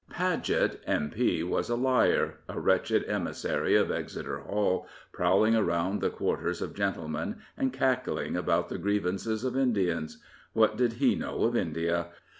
" Padgett, M.P., was a liar," a wretched emissary of Exeter Hall, prowling around the quarters ol gentlemen and cackling about the grievances of Indians. What did he know of India?